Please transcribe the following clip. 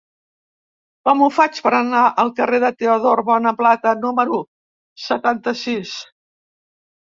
Com ho faig per anar al carrer de Teodor Bonaplata número setanta-sis?